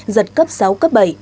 giật cấp sáu cấp bảy